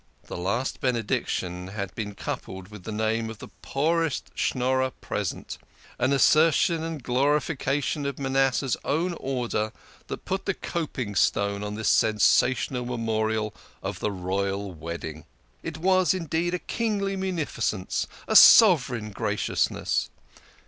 The last Benediction had been coupled with the name of the poorest Schnorrer present an asser tion and glorification of Manasseh's own order that put the coping stone on this sensational memorial of the Royal Wed ding. It was, indeed, a kingly munificence, a sovereign gracious ness.